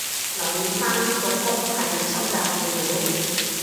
留意返呢個谷係要收集語料